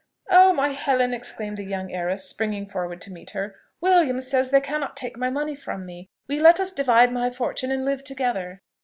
"Oh, my Helen!" exclaimed the young heiress, springing forward to meet her; "Williams says they cannot take my money from me. Will you let us divide my fortune and live together?"